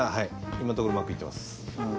今のところうまくいってます。